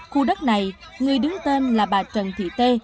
khu đất này người đứng tên là bà trần thị tê